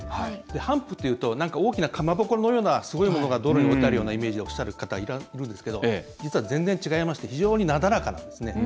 ハンプっていうとなんか大きなかまぼこのようなものが道路の真ん中にあるイメージでおっしゃる方いるんですけど実は全然違いまして非常に、なだらかなんですね。